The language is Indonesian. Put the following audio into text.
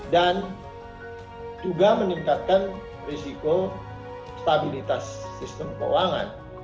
dan juga meningkatkan risiko stabilitas sistem keuangan